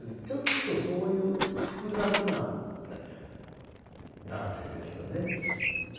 ちょっとそういう複雑な男性ですよね。